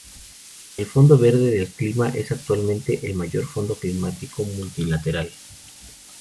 El Fondo Verde del Clima es actualmente el mayor fondo climático multilateral.